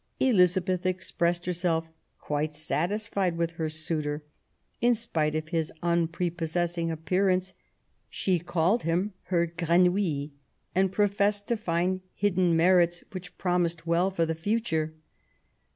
Elizabeth expressed herself quite satisfied with her suitor, in spite of his unprepossessing appearance. She called him her grenouille," and professed to find hidden merits which promised well for the future.